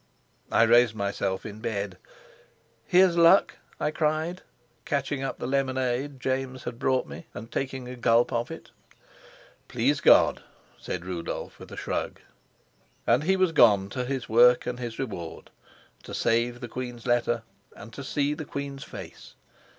I raised myself in bed. "Here's luck," I cried, catching up the lemonade James had brought me, and taking a gulp of it. "Please God," said Rudolf, with a shrug. And he was gone to his work and his reward to save the queen's letter and to see the queen's face.